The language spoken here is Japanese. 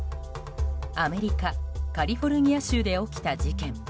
アメリカ・カリフォルニア州で起きた事件。